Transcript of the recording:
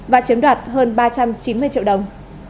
và chiếm đoạt hơn ba trăm chín mươi triệu đồng